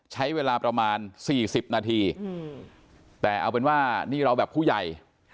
ใช้เวลาประมาณ๔๐นาทีแต่เอาเป็นว่านี่เราแบบผู้ใหญ่